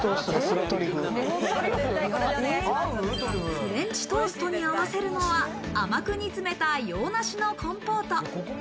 フレンチトーストに合わせるのは甘く煮詰めた洋梨のコンポート。